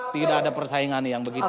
tidak ada persaingan yang begitu